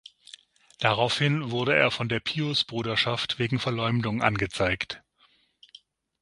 Daraufhin wurde er von der Piusbruderschaft wegen Verleumdung angezeigt.